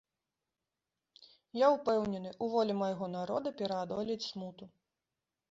Я ўпэўнены, у волі майго народа пераадолець смуту.